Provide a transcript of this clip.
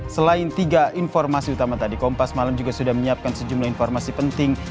selain tiga informasi utama tadi kompas malam juga sudah menyiapkan sejumlah informasi penting